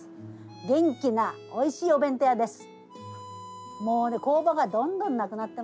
元気なおいしいお弁当屋です。